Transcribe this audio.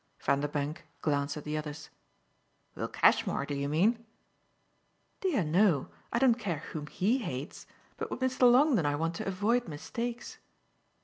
Vanderbank glanced at the others. "Will Cashmore, do you mean?" "Dear no I don't care whom HE hates. But with Mr. Longdon I want to avoid mistakes."